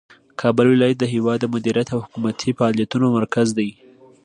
کابل ولایت د هیواد د مدیریت او حکومتي فعالیتونو مرکز دی.